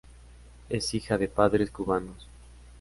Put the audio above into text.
Es hija de padres cubanos.